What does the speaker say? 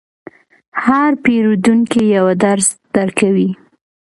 هر پیرودونکی یو درس درکوي.